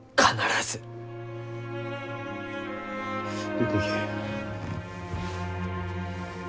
出ていけ。